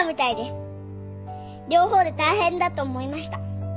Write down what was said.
「両方で大変だと思いました」